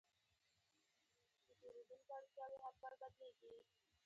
دوی د افغانستان د تاریخي قهرمانانو په توګه وو.